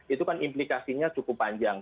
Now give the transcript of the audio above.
itu kan implikasinya cukup panjang